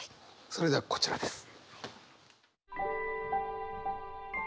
それではこちらです。